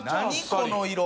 この色。